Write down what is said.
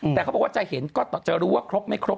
ทางเค้าบอกว่าใจเห็นจะรู้ว่าครบไม่ครบ